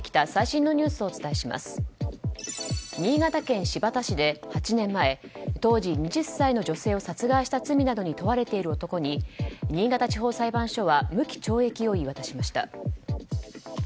新潟県新発田市で８年前、当時２０歳の女性を殺害した罪などに問われている男に新潟地方裁判所は無期懲役を言い渡しました。